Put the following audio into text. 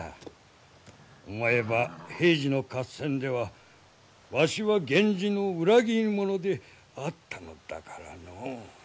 思えば平治の合戦ではわしは源氏の裏切り者であったのだからのう。